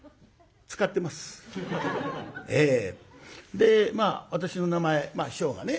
でまあ私の名前師匠がね